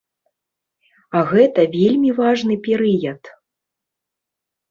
А гэта вельмі важны перыяд.